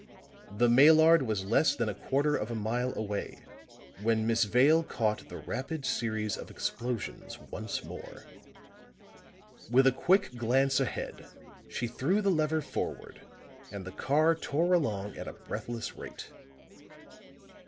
The Maillard was less than a quarter of a mile away when Miss Vale caught the rapid series of explosions once more. With a quick glance ahead, she threw the lever forward and the car tore along at a breathless rate.